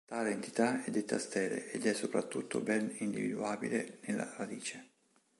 Tale entità è detta stele ed è soprattutto ben individuabile nella radice.